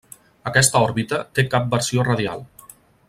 Aquesta òrbita té cap versió radial.